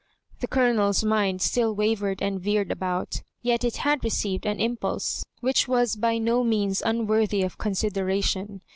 The Colonel's mind still wavered and veered about ; yet it had received an impulse which was by no means unworthy of considera tion.